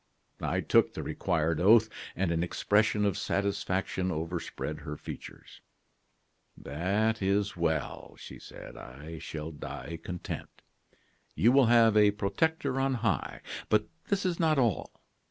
"I took the required oath, and an expression of satisfaction overspread her features. "'That is well,' she said; 'I shall die content. You will have a protector on high. But this is not all.